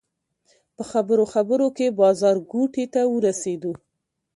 په خبرو خبرو کې بازارګوټي ته ورسېدو.